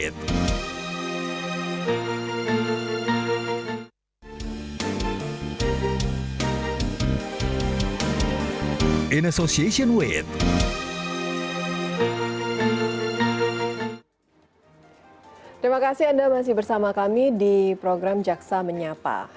terima kasih anda masih bersama kami di program jaksa menyapa